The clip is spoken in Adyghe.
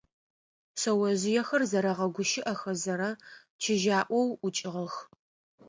Шъэожъыехэр зэрэгъэгущыӀэхэзэ чыжьаӀоу ӀукӀыгъэх.